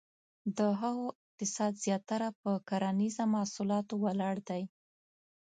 د هغو اقتصاد زیاتره په کرنیزه محصولاتو ولاړ دی.